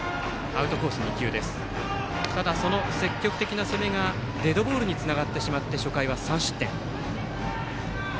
ただ、積極的な攻めがデッドボールにつながってしまって初回は３失点。